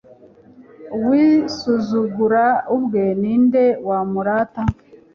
uwisuzugura ubwe, ni nde wamurata